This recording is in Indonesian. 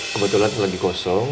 kebetulan lagi kosong